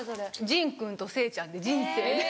ジン君とせいちゃんで「人生」で。